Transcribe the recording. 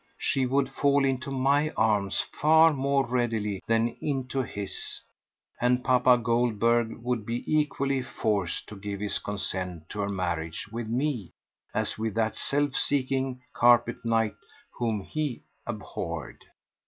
She would fall into my arms far more readily than into his, and papa Goldberg would be equally forced to give his consent to her marriage with me as with that self seeking carpet knight whom he abhorred.